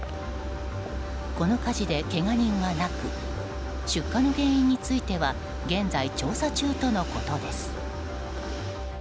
この火事で、けが人はなく出火の原因については現在、調査中とのことです。